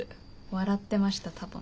笑ってました多分。